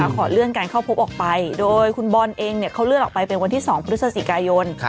ขอเลื่อนการเข้าพบออกไปโดยคุณบอลเองเขาเลื่อนออกไปเป็นวันที่๒พฤศจิกายน